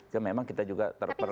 itu memang kita juga terperlu